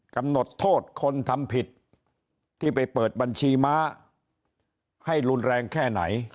กำหนดโทษคนทำผิดที่ไปเปิดบัญชีม้าให้รุนแรงแค่ไหน